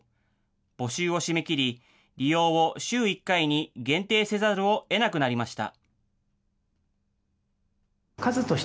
募集を締め切り、利用を週１回に限定せざるをえなくなりました。